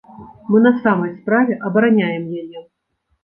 Мы на самай справе абараняем яе.